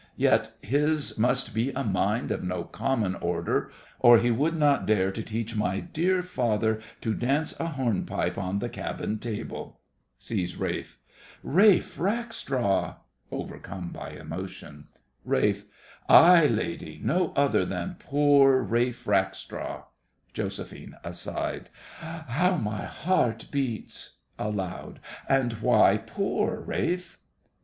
Yet his must be a mind of no common order, or he would not dare to teach my dear father to dance a hornpipe on the cabin table. (Sees RALPH.) Ralph Rackstraw! (Overcome by emotion.) RALPH. Aye, lady—no other than poor Ralph Rackstraw! JOS. (aside). How my heart beats! (Aloud) And why poor, Ralph?